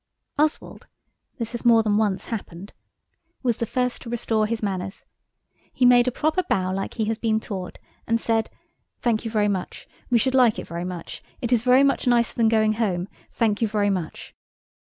Oswald (this has more than once happened) was the first to restore his manners. He made a proper bow like he has been taught, and said– "Thank you very much. We should like it very much. It is very much nicer than going home. Thank you very much."